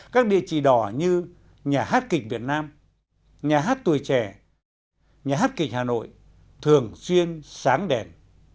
các địa chỉ đỏ như nhà hát kịch việt nam nhà hát tuổi trẻ nhà hát kịch hà nội thường xuyên sáng đèn